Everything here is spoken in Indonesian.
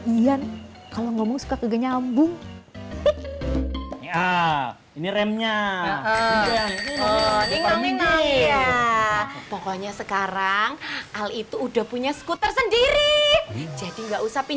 ini gimana ceritanya diesen